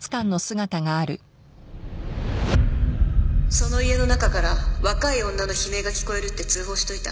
その家の中から若い女の悲鳴が聞こえるって通報しといた。